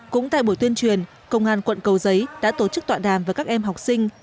cũng tại buổi tuyên truyền công an quận cầu giấy đã tổ chức tọa đàm với các em học sinh